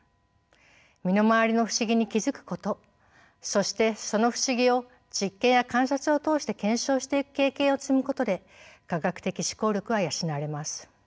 身の回りの不思議に気付くことそしてその不思議を実験や観察を通して検証していく経験を積むことで科学的思考力は養われます。